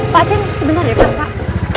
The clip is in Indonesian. pak cen sebentar ya pak